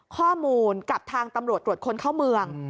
ข้อมูลกับทางตำรวจตรวจคนเข้าเมือง